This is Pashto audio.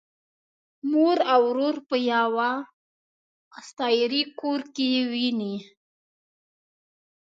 مور او ورور په یوه اساطیري کور کې ويني.